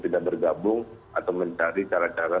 tidak bergabung atau mencari cara cara